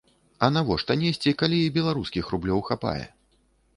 А навошта несці, калі і беларускіх рублёў хапае?